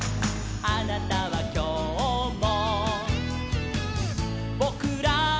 「あなたはきょうも」